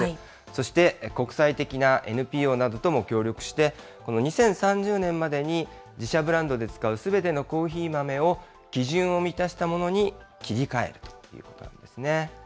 そして、国際的なＮＰＯなどとも協力して、この２０３０年までに自社ブランドで使うすべてのコーヒー豆を、基準を満たしたものに切り替えるということなんですね。